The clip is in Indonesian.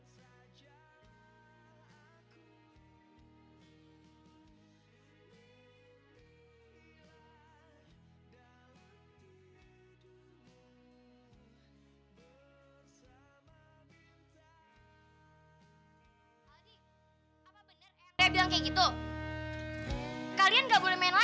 sejak kini berganti malam